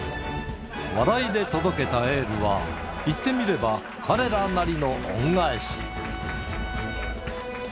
笑いで届けたエールは、言ってみれば、彼らなりの恩返し。